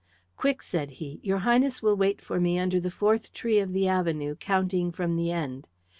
"Quick!" said he. "Your Highness will wait for me under the fourth tree of the avenue, counting from the end."